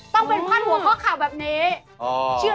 ต้องเป็นพันผัวข้อขับแบบนี้